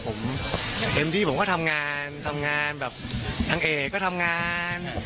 ผมเต็มที่ผมก็ทำงานทำงานแบบนางเอกก็ทำงาน